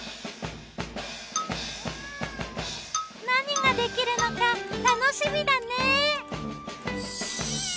何ができるのか楽しみだね！